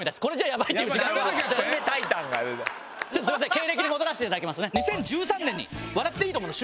経歴に戻らせて頂きますね。